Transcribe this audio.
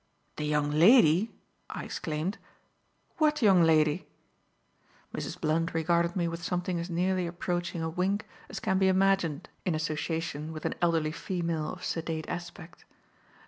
"The young lady!" I exclaimed. "What young lady?" Mrs. Blunt regarded me with something as nearly approaching a wink as can be imagined in association with an elderly female of sedate aspect.